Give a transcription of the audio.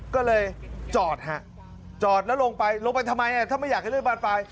ก็เลยจอดฮะจอดแล้วลงไปลงไปทำไมถ้าไม่อยากให้เรื่องบานปลาย